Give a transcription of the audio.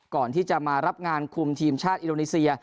ก่อนที่จะมารับงานคุมทีมชาติอินโดนีเซีย